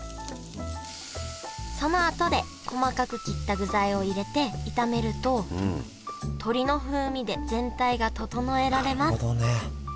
そのあとで細かく切った具材を入れて炒めると鶏の風味で全体が調えられますなるほどね。